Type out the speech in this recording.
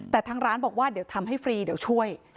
แต่ทางร้านบอกว่าเดี๋ยวทำให้ฟรีเดี๋ยวช่วย